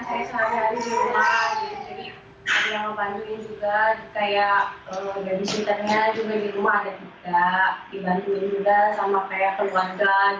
jadi saya mau membantu juga kayak gabis internetnya juga di rumah ada juga dibantuin juga sama kayak peluangkan